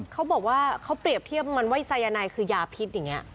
เขาบอกว่าเขาเปรียบเทียบมันว่าสายนายคือยาพิษอย่างนี้